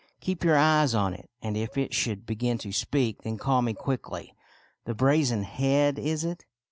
Keep your eyes on it, and if it should begin to speak, then call me quickly." " The brazen head, is it